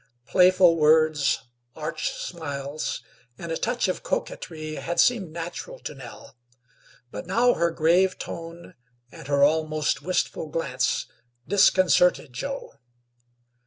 Playful words, arch smiles, and a touch of coquetry had seemed natural to Nell; but now her grave tone and her almost wistful glance disconcerted Joe.